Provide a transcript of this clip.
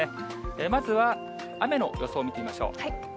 まずは、雨の予想を見てみましょう。